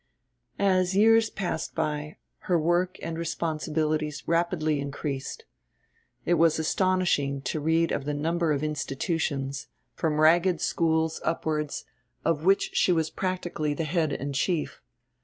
As years passed by, her work and responsibilities rapidly increased. It is astonishing to read of the number of institutions, from ragged schools upwards, of which she was practically the head and chief.